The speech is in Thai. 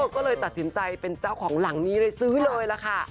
ก็เลยตัดสินใจเป็นเจ้าของหลังนี้เลยซื้อเลยล่ะค่ะ